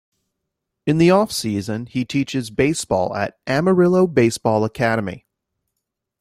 In the off-season, he teaches baseball at Amarillo Baseball Academy.